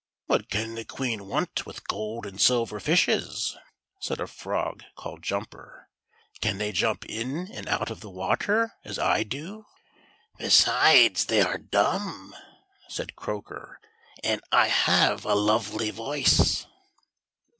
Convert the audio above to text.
"What can the Queen want with gold and silver fishes?" said a frog called Jumper. "Can they jump in and out of the water as I do ?" "Besides, they are dumb," said Croaker; "and I have a lovely voice."